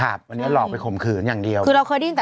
อู้ยฉันเพิ่งเคยได้ยินนะ